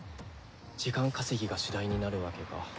時間稼ぎが主題になるわけか。